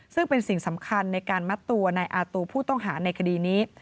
ซึ่งเป็นสิ่งสำคัญในการมัดตัวนายอาตูผู้ต้องหาในคดีนี้